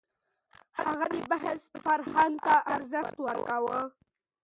هغه د بحث فرهنګ ته ارزښت ورکاوه.